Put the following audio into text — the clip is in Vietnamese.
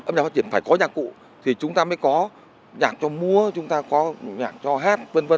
âm nhạc phát triển phải có nhạc cụ thì chúng ta mới có nhạc cho múa chúng ta có nhạc cho hát v v